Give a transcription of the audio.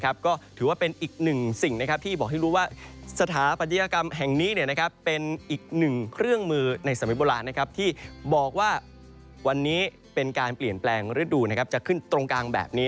ก็ถือว่าเป็นอีกหนึ่งสิ่งที่บอกให้รู้ว่าสถาปัตยกรรมแห่งนี้เป็นอีกหนึ่งเครื่องมือในสมัยโบราณที่บอกว่าวันนี้เป็นการเปลี่ยนแปลงฤดูจะขึ้นตรงกลางแบบนี้